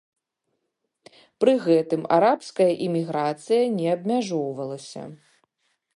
Пры гэтым арабская іміграцыя не абмяжоўвалася.